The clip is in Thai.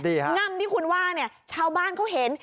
ง่ำที่คุณว่าเนี่ยชาวบ้านเขาเห็น